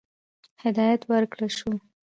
هدایت ورکړه شو.